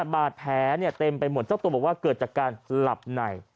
บาดแผลเต็มไปหมดเจ้าตัวบอกว่าเกิดจากการหลับใน